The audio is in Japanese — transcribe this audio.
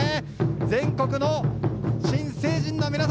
全国の新成人の皆様